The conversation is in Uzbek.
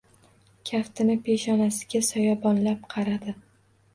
Kaftini peshonasiga soyabonlab qaradi.